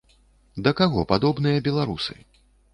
Да каго падобныя беларусы?